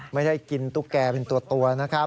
ไม่ได้กินตุ๊กแกเป็นตัวนะครับ